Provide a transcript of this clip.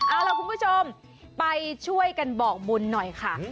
เอาล่ะคุณผู้ชมไปช่วยกันบอกบุญหน่อยค่ะ